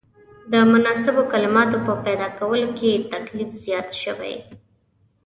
د مناسبو کلماتو په پیدا کولو کې تکلیف زیات شوی.